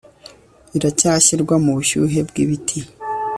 biracyashyirwa mubushyuhe bwibiti